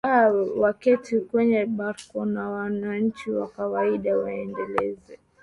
aa waketi kwenye barracks na wananchi wa kawaida waendeleze